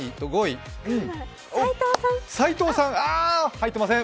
入っていません。